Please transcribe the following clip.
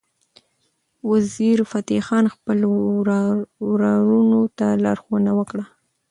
وزیرفتح خان خپل ورورانو ته لارښوونه وکړه.